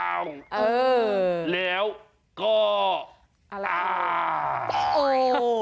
อ้าวแล้วก็อ้าวโอ้โห